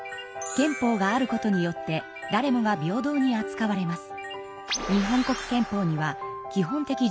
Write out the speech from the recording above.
憲法があることによって誰もが平等にあつかわれます。